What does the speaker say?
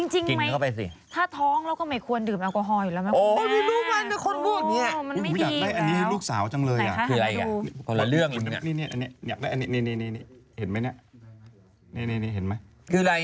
จริงไม่ถ้าท้องแล้วก็ไม่ควรดื่มแอลกอฮอล์อยู่แล้ว